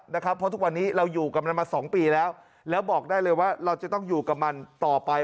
เพราะทุกวันนี้เราอยู่กับมันมาสองปีแล้วแล้วบอกได้เลยว่าเราจะต้องอยู่กับมันต่อไป